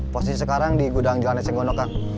posisi sekarang di gudang jalan eseng gondok kang